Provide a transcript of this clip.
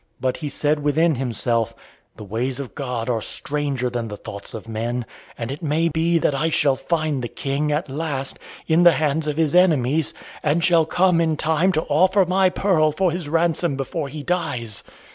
But he said within himself, "The ways of God are stranger than the thoughts of men, and it may be that I shall find the King, at last, in the hands of His enemies, and shall come in time to offer my pearl for His ransom before He dies."